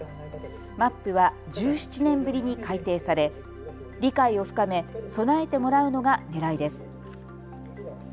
マップは１７年ぶりに改定され理解を深め、備えてもらうのがねらいです。